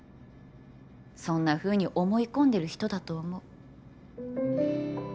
そんなふうに思い込んでる人だと思う。